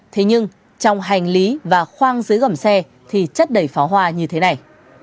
thế nhưng trong hành lý và khoang dưới gầm xe thì chất đầy pháo hoa như thế này